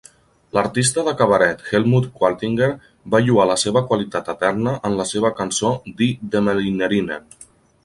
L'artista de cabaret Helmut Qualtinger va lloar la seva qualitat eterna en la seva cançó "Die Demelinerinnen".